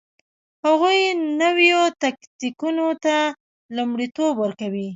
هغوی نویو تکتیکونو ته لومړیتوب ورکوي